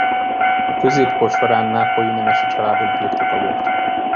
A középkor során nápolyi nemesi családok birtoka volt.